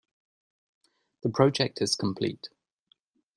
The project is complete.